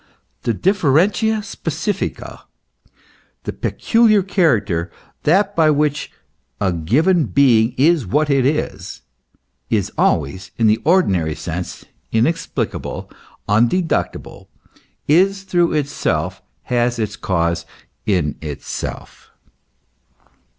The differentia specified, the peculiar character, that by which a given being is what it is, is always in the ordinary sense inexplicable, undeducible, is through itself, has its cause in itself.